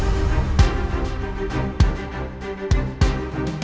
ibu mau pilih